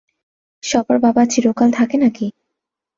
সবার বাবা চিরকাল থাকে নাকি?